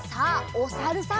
おさるさん。